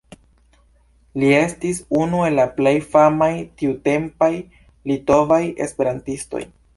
Li estis unu el la plej famaj tiutempaj litovaj esperantistoj.